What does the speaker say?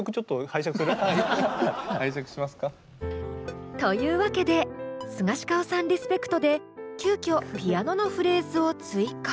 拝借しますか。というわけでスガシカオさんリスペクトで急きょピアノのフレーズを追加。